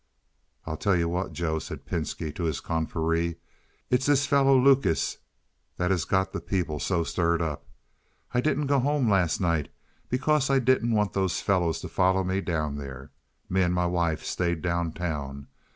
"I'll tell you what, Joe," said Pinski to his confrere; "it's this fellow Lucas that has got the people so stirred up. I didn't go home last night because I didn't want those fellows to follow me down there. Me and my wife stayed down town.